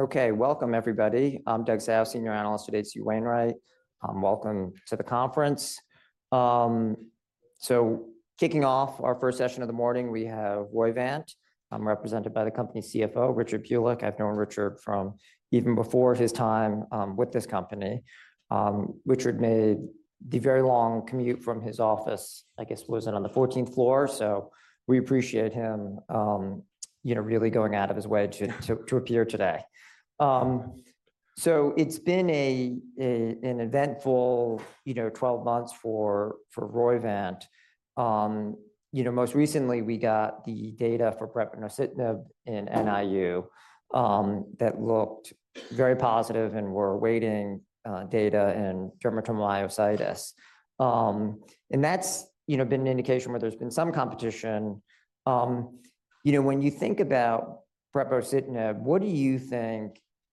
Okay. Welcome, everybody. I'm Doug Tsao, senior analyst at H.C. Wainwright. Welcome to the conference. So kicking off our first session of the morning, we have Roivant, represented by the company CFO, Richard Pulik. I've known Richard from even before his time with this company. Richard made the very long commute from his office, I guess, was it on the 14th floor? So we appreciate him, you know, really going out of his way to appear today. So it's been an eventful, you know, 12 months for Roivant. You know, most recently, we got the data for brepocitinib in NIU that looked very positive, and we're awaiting data in dermatomyositis. And that's, you know, been an indication where there's been some competition. You know, when you think about brepocitinib, what do you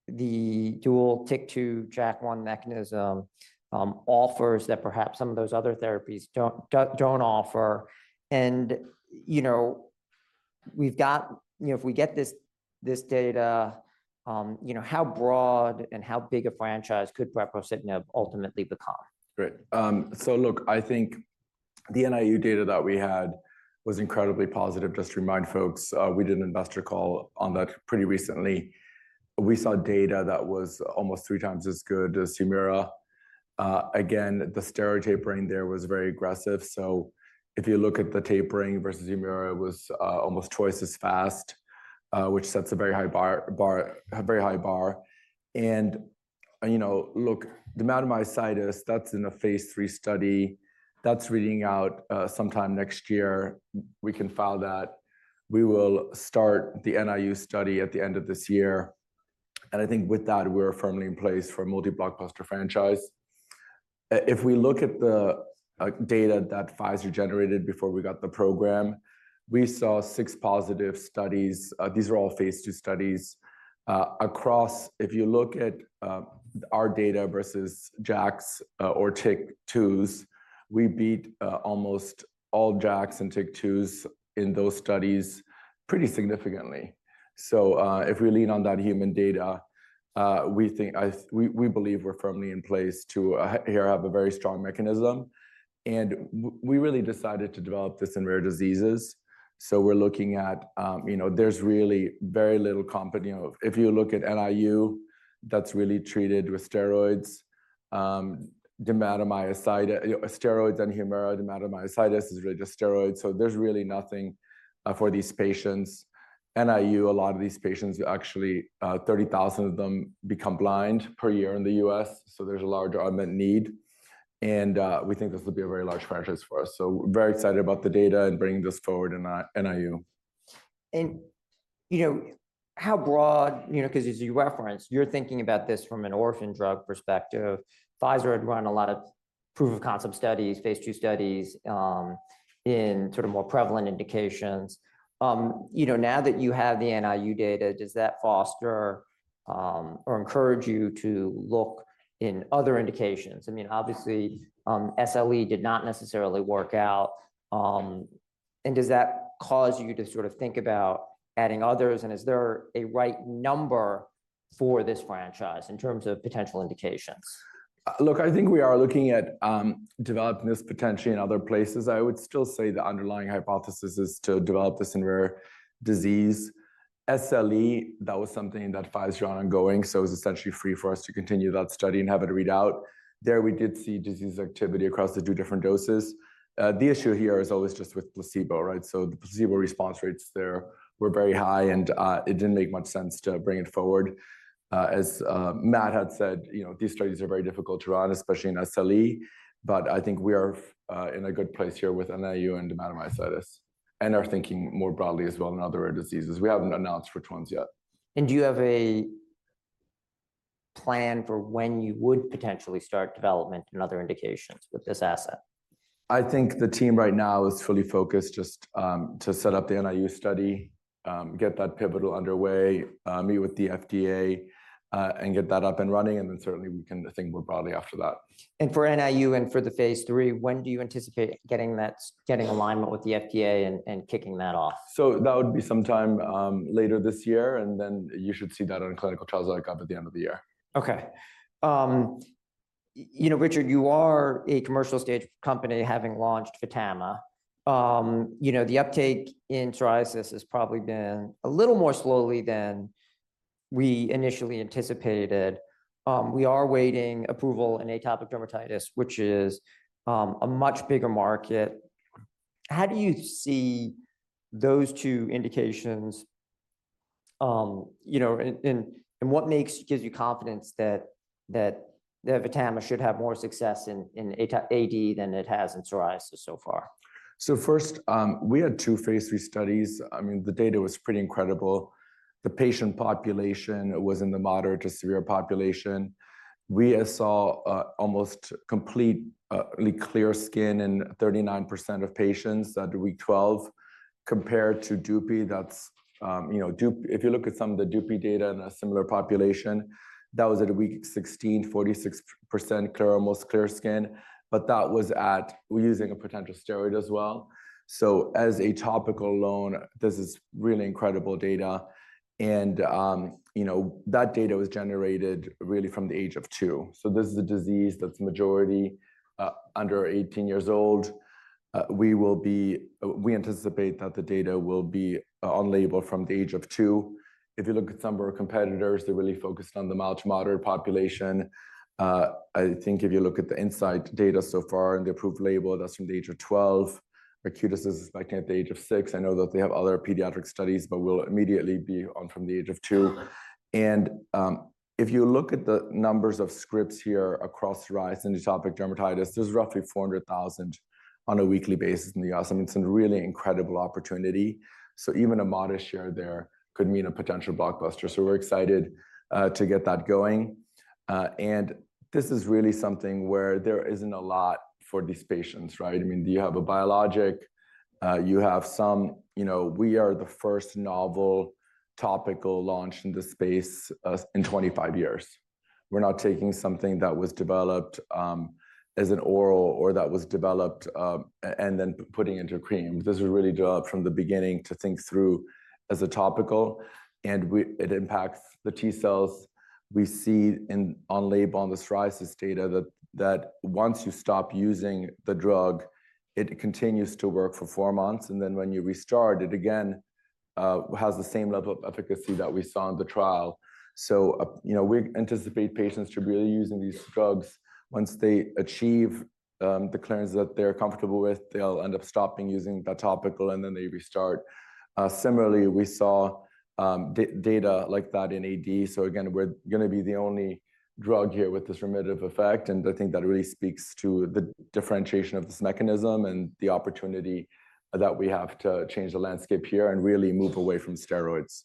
think the dual TYK2/JAK1 mechanism offers that perhaps some of those other therapies don't offer? And, you know, we've got you know, if we get this data, you know, how broad and how big a franchise could brepocitinib ultimately become? Great. So look, I think the NIU data that we had was incredibly positive. Just to remind folks, we did an investor call on that pretty recently. We saw data that was almost 3x as good as Humira. Again, the steroid tapering there was very aggressive. So if you look at the tapering versus Humira, it was almost 2x as fast, which sets a very high bar, a very high bar. And, you know, look, dermatomyositis, that's in a phase lll study. That's reading out sometime next year. We can file that. We will start the NIU study at the end of this year, and I think with that, we're firmly in place for a multi-blockbuster franchise. If we look at the data that Pfizer generated before we got the program, we saw 6 positive studies. These are all phase ll studies. Across, if you look at, our data versus JAKs or TYK2s, we beat almost all JAKs and TYK2s in those studies pretty significantly. So, if we lean on that human data, we think, we believe we're firmly in place to here have a very strong mechanism. And we really decided to develop this in rare diseases, so we're looking at... You know, there's really very little company. You know, if you look at NIU, that's really treated with steroids. Dermatomyositis, you know, steroids and Humira, dermatomyositis is really just steroids, so there's really nothing for these patients. NIU, a lot of these patients, actually, 30,000 of them become blind per year in the U.S., so there's a large unmet need, and we think this will be a very large franchise for us. So we're very excited about the data and bringing this forward in NIU. You know, how broad, you know, because as you referenced, you're thinking about this from an orphan drug perspective. Pfizer had run a lot of proof-of-concept studies, phase II studies, in sort of more prevalent indications. You know, now that you have the NIU data, does that foster, or encourage you to look in other indications? I mean, obviously, SLE did not necessarily work out. And does that cause you to sort of think about adding others, and is there a right number for this franchise in terms of potential indications? Look, I think we are looking at, developing this potentially in other places. I would still say the underlying hypothesis is to develop this in rare disease. SLE, that was something that Pfizer ongoing, so it's essentially free for us to continue that study and have it read out. There, we did see disease activity across the two different doses. The issue here is always just with placebo, right? So the placebo response rates there were very high, and it didn't make much sense to bring it forward. As Matt had said, you know, these studies are very difficult to run, especially in SLE, but I think we are in a good place here with NIU and dermatomyositis and are thinking more broadly as well in other rare diseases. We haven't announced which ones yet. Do you have a plan for when you would potentially start development in other indications with this asset? I think the team right now is fully focused just to set up the NIU study, get that pivotal underway, meet with the FDA, and get that up and running, and then certainly we can think more broadly after that. For NIU and for the Phase III, when do you anticipate getting that, getting alignment with the FDA and, and kicking that off? That would be sometime later this year, and then you should see that on clinical trials, like, up at the end of the year. Okay. You know, Richard, you are a commercial-stage company, having launched VTAMA. You know, the uptake in psoriasis has probably been a little more slowly than we initially anticipated. We are awaiting approval in atopic dermatitis, which is a much bigger market. How do you see those two indications, you know, and, and, and what makes, gives you confidence that that VTAMA should have more success in AD than it has in psoriasis so far? So first, we had two phase lll studies. I mean, the data was pretty incredible. The patient population was in the moderate to severe population. We saw almost completely clear skin in 39% of patients at week 12 compared to Dupi. That's, you know, Dupi – if you look at some of the Dupi data in a similar population, that was at week 16, 46% clear, almost clear skin, but that was using a topical steroid as well. So as a topical alone, this is really incredible data. And, you know, that data was generated really from the age of two. So this is a disease that's majority under 18 years old. We anticipate that the data will be on label from the age of two. If you look at some of our competitors, they're really focused on the mild to moderate population. I think if you look at the Incyte data so far and the approved label, that's from the age of 12. Arcutis is likely at the age of six. I know that they have other pediatric studies, but we'll immediately be on from the age of two. And if you look at the numbers of scripts here across psoriasis and atopic dermatitis, there's roughly 400,000 on a weekly basis in the U.S., and it's a really incredible opportunity. So even a modest share there could mean a potential blockbuster. So we're excited to get that going. And this is really something where there isn't a lot for these patients, right? I mean, you have a biologic, you have some... You know, we are the first novel topical launch in this space in 25 years. We're not taking something that was developed as an oral or that was developed and then putting into a cream. This was really developed from the beginning to think through as a topical, and it impacts the T cells. We see, on label on the psoriasis data that once you stop using the drug, it continues to work for four months, and then when you restart it again, has the same level of efficacy that we saw in the trial. You know, we anticipate patients to be really using these drugs. Once they achieve the clearance that they're comfortable with, they'll end up stopping using the topical, and then they restart. Similarly, we saw data like that in AD. So again, we're gonna be the only drug here with this remittive effect, and I think that really speaks to the differentiation of this mechanism and the opportunity that we have to change the landscape here and really move away from steroids.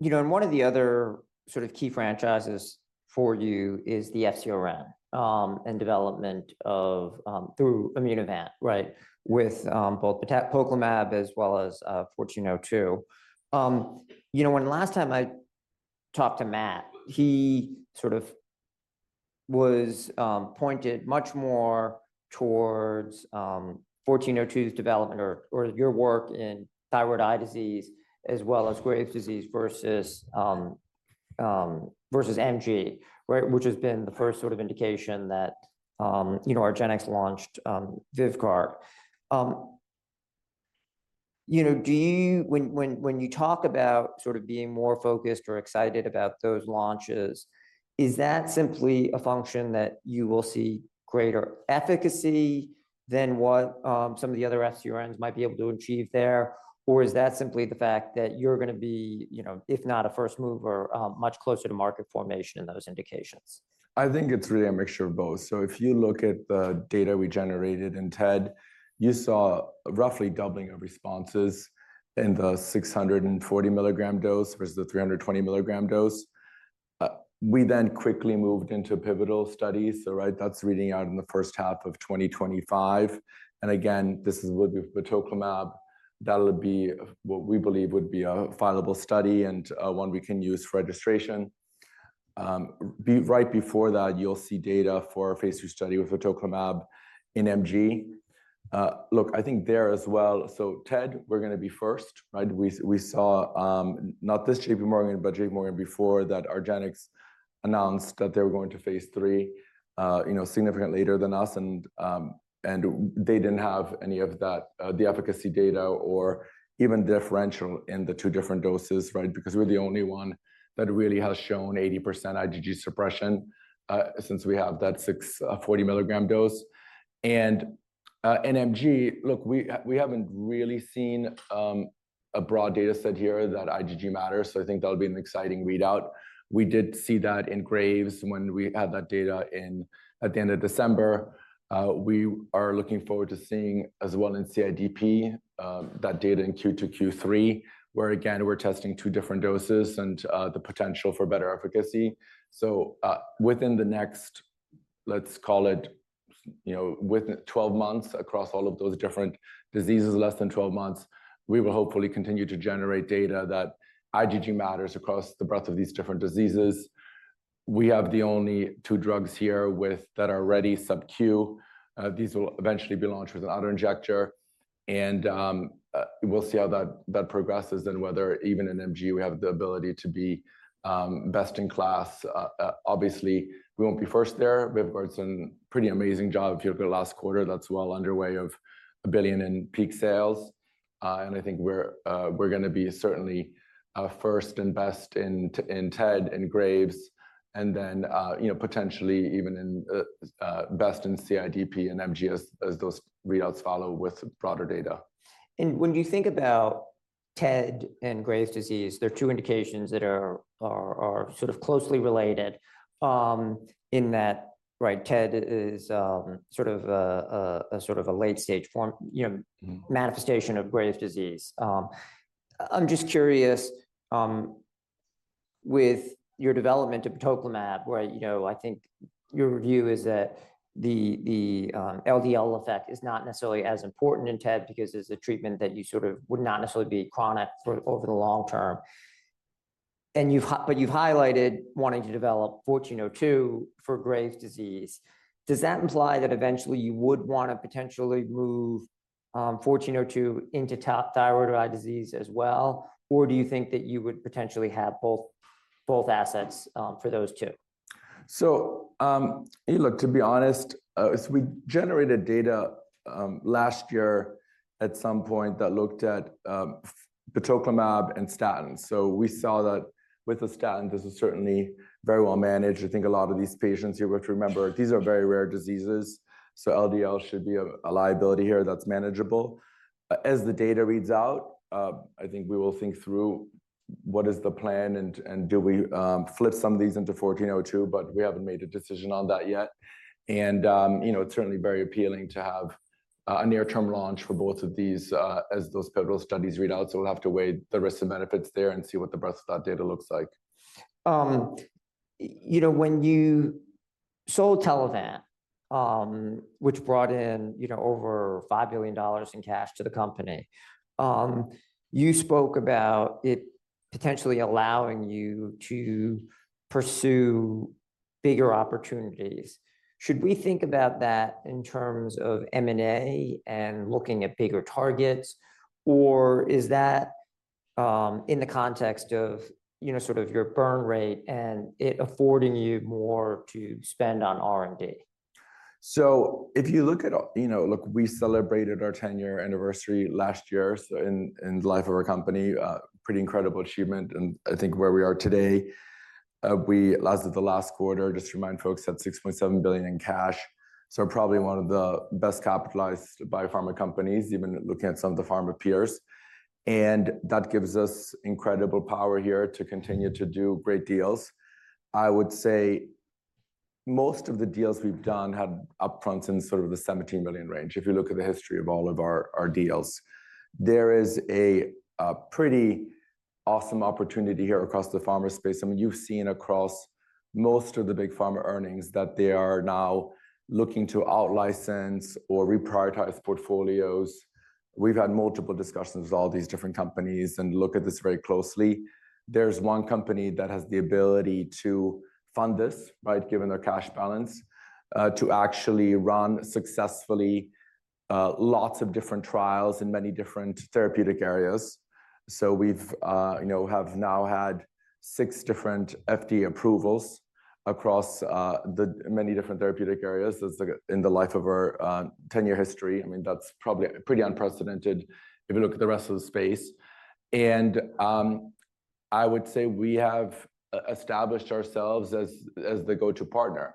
You know, and one of the other sort of key franchises for you is the FcRn, and development of through Immunovant, right? With both batoclimab as well as IMVT-1402. You know, when last time I talked to Matt, he sort of was pointed much more towards IMVT-1402's development or your work in thyroid eye disease as well as Graves' disease versus MG, right? Which has been the first sort of indication that you know, argenx launched VYVGART. You know, do you, when you talk about sort of being more focused or excited about those launches, is that simply a function that you will see greater efficacy than what some of the other FcRns might be able to achieve there? Or is that simply the fact that you're gonna be, you know, if not a first mover, much closer to market formation in those indications? I think it's really a mixture of both. So if you look at the data we generated in TED, you saw roughly doubling of responses in the 640-milligram dose versus the 320-milligram dose. We then quickly moved into pivotal studies. So right, that's reading out in the first half of 2025. And again, this is with batoclimab. That'll be what we believe would be a fileable study and one we can use for registration. Right before that, you'll see data for a phase ll study with batoclimab in MG. Look, I think there as well... So TED, we're gonna be first, right? We saw not this JPMorgan, but JPMorgan before that argenx announced that they were going to phase lll, you know, significantly later than us, and they didn't have any of that, the efficacy data or even differential in the two different doses, right? Because we're the only one that really has shown 80% IgG suppression, since we have that 60 mg dose. And, MG, look, we haven't really seen a broad data set here that IgG matters, so I think that'll be an exciting readout. We did see that in Graves when we had that data at the end of December. We are looking forward to seeing as well in CIDP, that data in Q2, Q3, where again, we're testing two different doses and the potential for better efficacy. So, within the next, let's call it, you know, within 12 months across all of those different diseases, less than 12 months, we will hopefully continue to generate data that IgG matters across the breadth of these different diseases. We have the only two drugs here with, that are ready, sub-Q. These will eventually be launched with an auto-injector, and, we'll see how that, that progresses and whether even in MG, we have the ability to be, best in class. Obviously, we won't be first there. VYVGART's done a pretty amazing job. If you look at last quarter, that's well underway of $1 billion in peak sales, and I think we're, we're gonna be certainly, first and best in, in TED and Graves', and then, you know, potentially even in, best in CIDP and MG as, as those readouts follow with broader data. And when you think about TED and Graves' disease. They're two indications that are sort of closely related, in that, right, TED is sort of a late stage form, you know- Mm-hmm... manifestation of Graves' disease. I'm just curious, with your development of batoclimab, where, you know, I think your view is that the LDL effect is not necessarily as important in TED because it's a treatment that you sort of would not necessarily be chronic for over the long term. But you've highlighted wanting to develop IMVT-1402 for Graves' disease. Does that imply that eventually you would want to potentially move IMVT-1402 into TED as well? Or do you think that you would potentially have both, both assets for those two? So, to be honest, as we generated data last year at some point that looked at batoclimab and statins. So we saw that with a statin, this is certainly very well managed. I think a lot of these patients, you've got to remember, these are very rare diseases, so LDL should be a liability here that's manageable. But as the data reads out, I think we will think through what is the plan and do we flip some of these into 1402, but we haven't made a decision on that yet. And, you know, it's certainly very appealing to have a near-term launch for both of these as those phase lll studies read out. So we'll have to weigh the risks and benefits there and see what the batoclimab data looks like. You know, when you sold Telavant, which brought in, you know, over $5 billion in cash to the company, you spoke about it potentially allowing you to pursue bigger opportunities. Should we think about that in terms of M&A and looking at bigger targets, or is that, in the context of, you know, sort of your burn rate and it affording you more to spend on R&D? So if you look at, you know, look, we celebrated our ten-year anniversary last year, so in the life of our company, a pretty incredible achievement, and I think where we are today, we, as of the last quarter, just to remind folks, had $6.7 billion in cash. So probably one of the best capitalized biopharma companies, even looking at some of the pharma peers. And that gives us incredible power here to continue to do great deals. I would say most of the deals we've done had upfront in sort of the $17 million range, if you look at the history of all of our deals. There is a pretty awesome opportunity here across the pharma space. I mean, you've seen across most of the big pharma earnings that they are now looking to outlicense or reprioritize portfolios. We've had multiple discussions with all these different companies and look at this very closely. There's one company that has the ability to fund this, right, given their cash balance, to actually run successfully, lots of different trials in many different therapeutic areas. So we've, you know, have now had six different FDA approvals across, the many different therapeutic areas. That's, like, in the life of our, 10-year history. I mean, that's probably pretty unprecedented if you look at the rest of the space. And, I would say we have established ourselves as the go-to partner.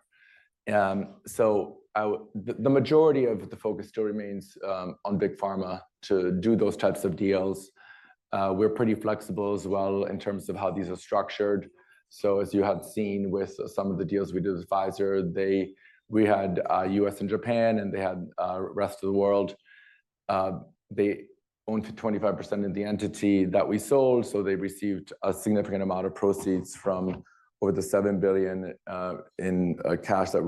So I would—the majority of the focus still remains on big pharma to do those types of deals. We're pretty flexible as well in terms of how these are structured. So as you have seen with some of the deals we did with Pfizer, they we had, U.S. and Japan, and they had, rest of the world. They owned 25% of the entity that we sold, so they received a significant amount of proceeds from over the $7 billion in cash that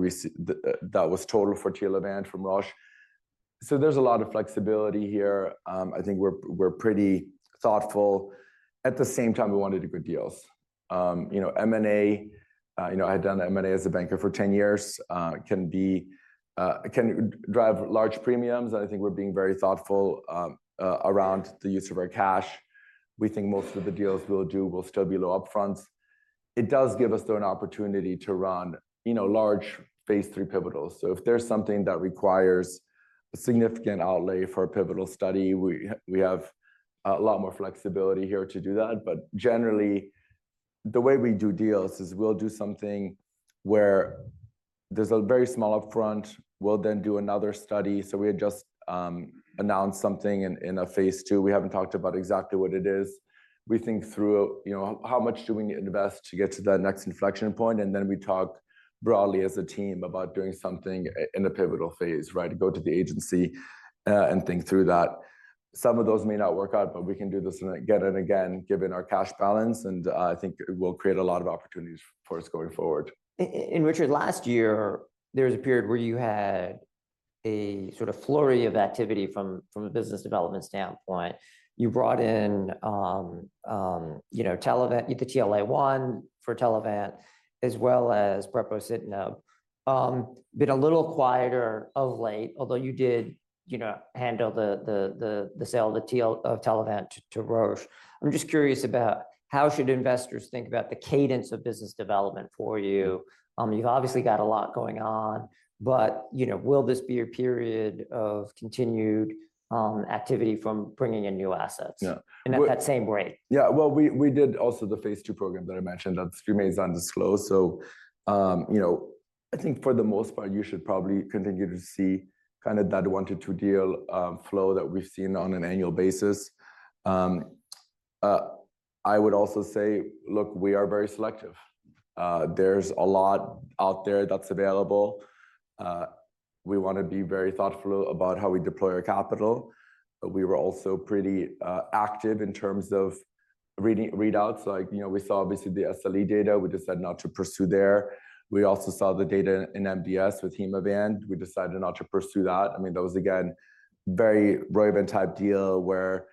was total for Telavant from Roche. So there's a lot of flexibility here. I think we're, we're pretty thoughtful. At the same time, we want to do good deals. You know, M&A, you know, I had done M&A as a banker for 10 years, can be, can drive large premiums. And I think we're being very thoughtful, around the use of our cash. We think most of the deals we'll do will still be low up fronts. It does give us, though, an opportunity to run, you know, large phase III pivotals. So if there's something that requires a significant outlay for a pivotal study, we have a lot more flexibility here to do that. But generally, the way we do deals is we'll do something where there's a very small upfront. We'll then do another study. So we had just announced something in a phase II. We haven't talked about exactly what it is. We think through, you know, how much do we invest to get to that next inflection point, and then we talk broadly as a team about doing something in the pivotal phase, right? Go to the agency and think through that. Some of those may not work out, but we can do this again and again, given our cash balance, and I think it will create a lot of opportunities for us going forward. And Richard, last year, there was a period where you had a sort of flurry of activity from a business development standpoint. You brought in, you know, Telavant, the TL1A for Telavant, as well as brepocitinib. Been a little quieter of late, although you did, you know, handle the sale of Telavant to Roche. I'm just curious about how should investors think about the cadence of business development for you? You've obviously got a lot going on, but, you know, will this be a period of continued activity from bringing in new assets- Yeah... at that same rate? Yeah. Well, we did also the phase ll program that I mentioned, that remains undisclosed. So, you know, I think for the most part, you should probably continue to see kind of that one-two deal flow that we've seen on an annual basis. I would also say, look, we are very selective. There's a lot out there that's available. We want to be very thoughtful about how we deploy our capital. We were also pretty active in terms of reading readouts. Like, you know, we saw obviously the SLE data. We decided not to pursue there. We also saw the data in MDS with Hemavant. We decided not to pursue that. I mean, that was again a very Roivant-type deal, where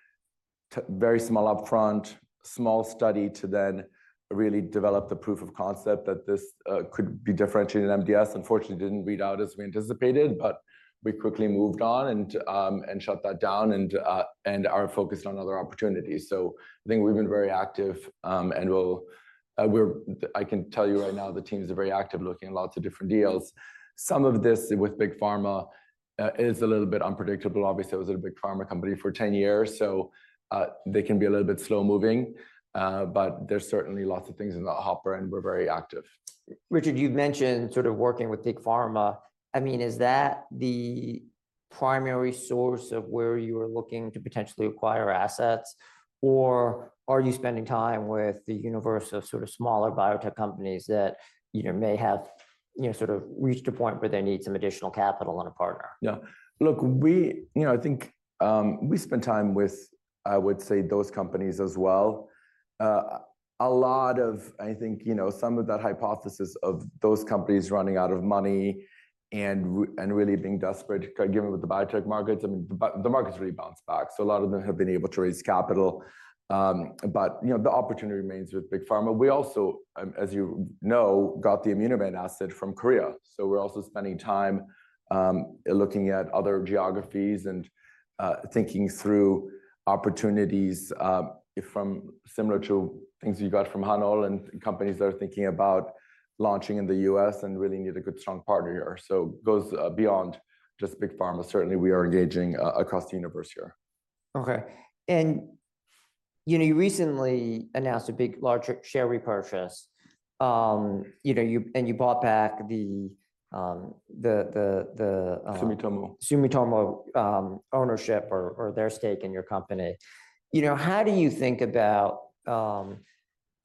very small upfront, small study to then really develop the proof of concept that this could be differentiated in MDS. Unfortunately, didn't read out as we anticipated, but we quickly moved on and shut that down and are focused on other opportunities. So I think we've been very active, and we're—I can tell you right now, the team is very active, looking at lots of different deals. Some of this with Big Pharma is a little bit unpredictable. Obviously, I was at a Big Pharma company for 10 years, so they can be a little bit slow-moving, but there's certainly lots of things in the hopper, and we're very active. Richard, you've mentioned sort of working with Big Pharma. I mean, is that the primary source of where you are looking to potentially acquire assets, or are you spending time with the universe of sort of smaller biotech companies that, you know, may have, you know, sort of reached a point where they need some additional capital and a partner? Yeah. Look, we, you know, I think, we spend time with, I would say, those companies as well. A lot of, I think, you know, some of that hypothesis of those companies running out of money and really being desperate, given with the biotech markets, I mean, the, the market's really bounced back, so a lot of them have been able to raise capital. But, you know, the opportunity remains with Big Pharma. We also, as you know, got the Immunovant asset from Korea, so we're also spending time, looking at other geographies and, thinking through opportunities, from similar to things you got from HanAll and companies that are thinking about launching in the US and really need a good, strong partner. So goes beyond just Big Pharma. Certainly, we are engaging across the universe here. Okay. You know, you recently announced a big, large share repurchase. You know, and you bought back the Sumitomo. Sumitomo ownership or their stake in your company. You know, how do you think about the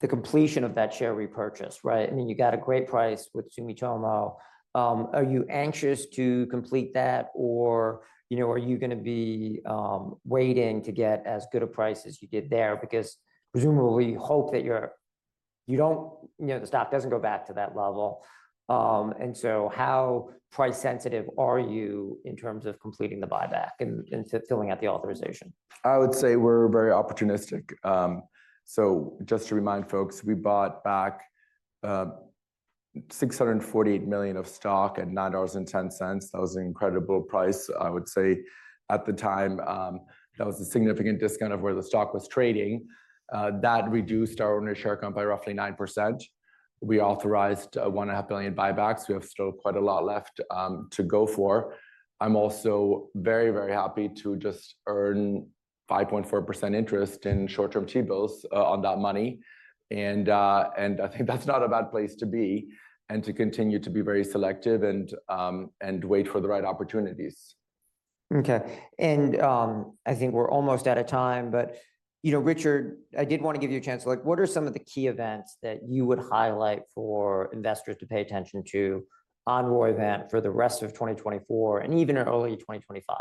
completion of that share repurchase, right? I mean, you got a great price with Sumitomo. Are you anxious to complete that, or, you know, are you gonna be waiting to get as good a price as you did there? Because presumably, you hope that your... You don't, you know, the stock doesn't go back to that level. And so how price sensitive are you in terms of completing the buyback and filling out the authorization? I would say we're very opportunistic. So just to remind folks, we bought back $648 million of stock at $9.10. That was an incredible price, I would say. At the time, that was a significant discount of where the stock was trading. That reduced our ownership count by roughly 9%. We authorized $1.5 billion buybacks. We have still quite a lot left to go for. I'm also very, very happy to just earn 5.4% interest in short-term T-bills on that money, and and I think that's not a bad place to be and to continue to be very selective and wait for the right opportunities. Okay, and, I think we're almost out of time, but, you know, Richard, I did want to give you a chance to, like, what are some of the key events that you would highlight for investors to pay attention to on Roivant for the rest of 2024 and even early 2025?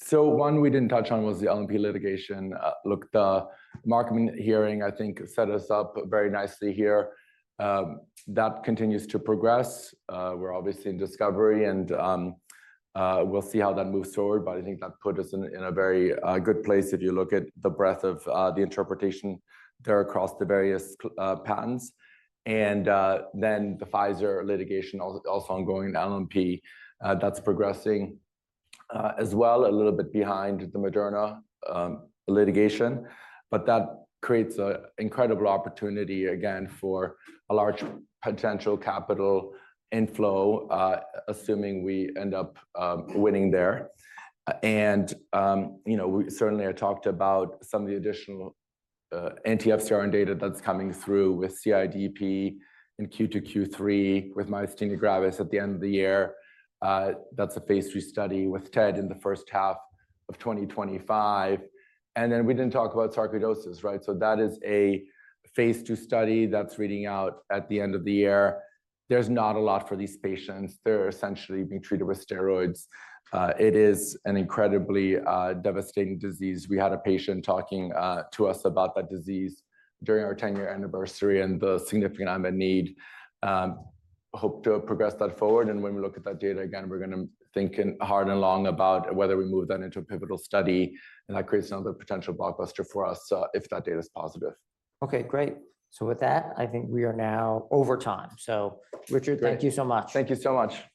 So one we didn't touch on was the LNP litigation. Look, the Markman hearing, I think, set us up very nicely here. That continues to progress. We're obviously in discovery, and we'll see how that moves forward, but I think that put us in a, in a very good place if you look at the breadth of the interpretation there across the various patents. And then the Pfizer litigation also ongoing, the LNP, that's progressing as well, a little bit behind the Moderna litigation. But that creates an incredible opportunity, again, for a large potential capital inflow, assuming we end up winning there. And you know, we certainly have talked about some of the additional anti-FcRn data that's coming through with CIDP in Q2, Q3, with myasthenia gravis at the end of the year. That's a phase II study with TED in the first half of 2025. And then we didn't talk about sarcoidosis, right? So that is a phase II study that's reading out at the end of the year. There's not a lot for these patients. They're essentially being treated with steroids. It is an incredibly devastating disease. We had a patient talking to us about that disease during our ten-year anniversary and the significant unmet need. Hope to progress that forward, and when we look at that data again, we're gonna think hard and long about whether we move that into a pivotal study, and that creates another potential blockbuster for us, if that data is positive. Okay, great. So with that, I think we are now over time. So Richard, thank you so much. Thank you so much.